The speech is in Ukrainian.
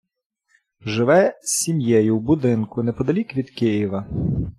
Живе з сім’єю в будинку неподалік від Києва.